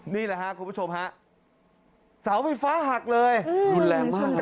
นี่แหละฮะคุณผู้ชมฮะเสาไฟฟ้าหักเลยอืมมันแรงมาก